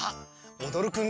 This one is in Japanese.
おどるくん！